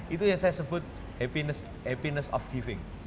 itu yang saya sebut happiness of giving